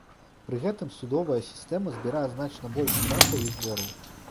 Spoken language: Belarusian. Пры гэтым судовая сістэма збірае значна больш штрафаў і збораў.